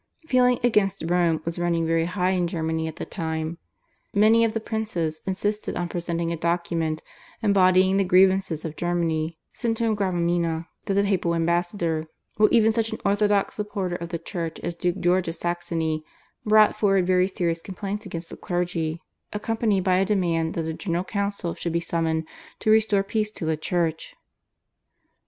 Feeling against Rome was running very high in Germany at the time. Many of the princes insisted on presenting a document embodying the grievances of Germany (/Centum Gravamina/) to the papal ambassador, while even such an orthodox supporter of the Church as Duke George of Saxony, brought forward very serious complaints against the clergy, accompanied by a demand that a General Council should be summoned to restore peace to the Church.